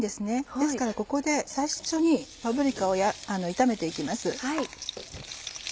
ですからここで最初にパプリカを炒めて行きます。